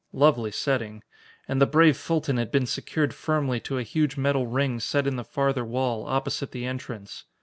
Lovely setting! And the brave Fulton had been secured firmly to a huge metal ring set in the farther wall, opposite the entrance.